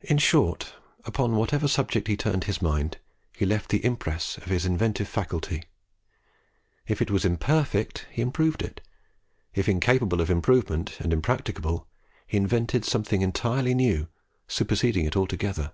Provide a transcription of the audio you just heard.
In short, upon whatever subject he turned his mind, he left the impress of his inventive faculty. If it was imperfect, he improved it; if incapable of improvement, and impracticable, he invented something entirely new, superseding it altogether.